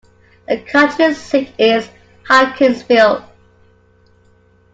The county seat is Hawkinsville.